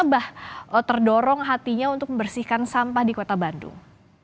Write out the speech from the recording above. awalnya gimana abah terdorong hatinya untuk membersihkan sampah di kota bandung